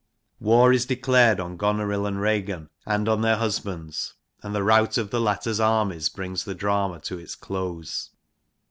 War is declared on Gonorill and Ragan and on their husbands, and the rout of the latter's armies brings the drama to its close.